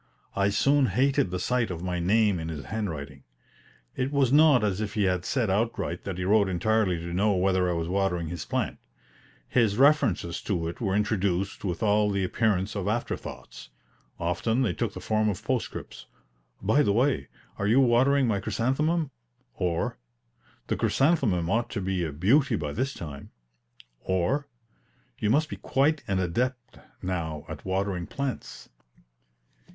I soon hated the sight of my name in his handwriting. It was not as if he said outright that he wrote entirely to know whether I was watering his plant. His references to it were introduced with all the appearance of after thoughts. Often they took the form of postscripts: "By the way, are you watering my chrysanthemum?" or, "The chrysanthemum ought to be a beauty by this time;" or, "You must be quite an adept now at watering plants."